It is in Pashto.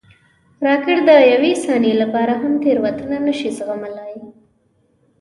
راکټ د یوې ثانیې لپاره هم تېروتنه نه شي زغملی